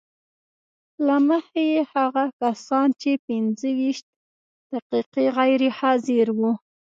له مخې یې هغه کسان چې پنځه ویشت دقیقې غیر حاضر وو